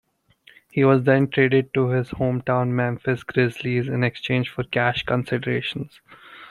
He was then traded to his hometown Memphis Grizzlies in exchange for cash considerations.